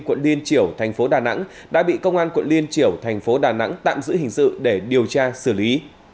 quận liên triểu thành phố đà nẵng đã bị công an quận liên triểu thành phố đà nẵng tạm giữ hình sự để điều tra xử lý